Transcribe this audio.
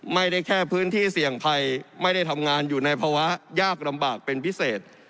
ไม่ได้แค่พื้นที่เสี่ยงภัยไม่ได้ทำงานอยู่ในภาวะยากลำบากเป็นพิเศษ